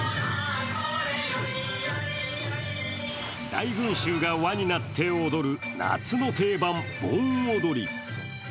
大群衆が輪になって踊る夏の定番、盆踊り。